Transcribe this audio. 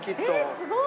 えすごい。